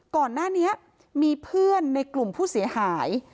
ก่อนหน้านี้มีเพื่อนในกลุ่มผู้เสียหาย